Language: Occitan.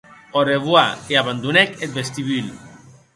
Au revoire, e abandonèc eth vestibul.